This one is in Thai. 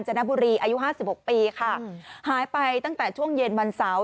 จนบุรีอายุห้าสิบหกปีค่ะหายไปตั้งแต่ช่วงเย็นวันเสาร์